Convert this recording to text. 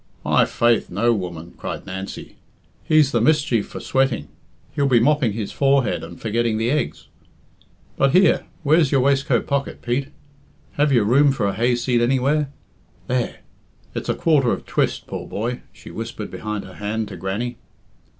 "My faith, no, woman!" cried Nancy. "He's the mischief for sweating. He'll be mopping his forehead and forgetting the eggs. But here where's your waistcoat pocket, Pete? Have you room for a hayseed anywhere? There!... It's a quarter of twist, poor boy," she whispered behind her hand to Grannie.